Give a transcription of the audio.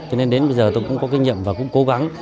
cho nên đến bây giờ tôi cũng có cái nhiệm và cũng cố gắng